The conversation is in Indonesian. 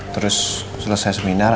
terus selesai seminar